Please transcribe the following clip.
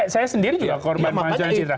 saya sendiri juga korban pengacara citra